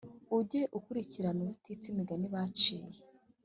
ujye uzirikana ubutitsa imigani baciye;